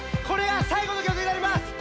これが最後の曲になります！